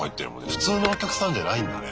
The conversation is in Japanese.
普通のお客さんじゃないんだね。